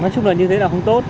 nói chung là như thế là không tốt